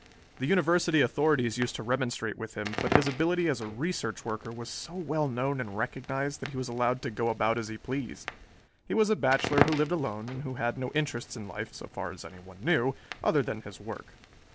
The University authorities used to remonstrate with him, but his ability as a research worker was so well known and recognized that he was allowed to go about as he pleased. He was a bachelor who lived alone and who had no interests in life, so far as anyone knew, other than his work.